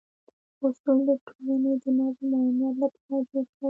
اصول د ټولنې د نظم او امنیت لپاره جوړ شوي.